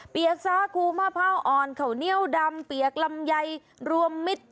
เปียกซาคูมะพร้าวอ่อนขาวเนี่ยวดำเปียกลำไยรวมมิตร